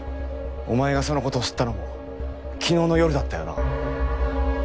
お前がその事を知ったのも昨日の夜だったよな？